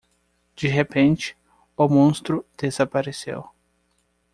De repente, o monstro desapareceu.